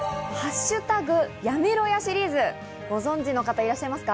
やめろやシリーズ」、ご存知の方いらっしゃいますか？